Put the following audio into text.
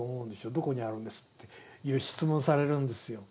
どこにあるんです？」っていう質問されるんですよ。